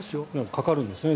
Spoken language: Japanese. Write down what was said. かかるんですね